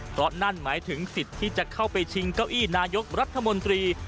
เพราะนั่นหมายถึงสิทธิ์ที่จะเข้าไปชิงเก้าอี้นายกรัฐมนตรี